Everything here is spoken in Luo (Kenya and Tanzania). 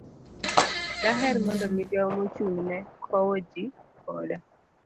Daher mondo Migawo Mochung'ne Kowo Ji Koda